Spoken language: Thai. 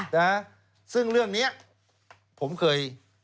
นะซึ่งเรื่องนี้ผมเคย